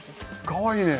かわいいね！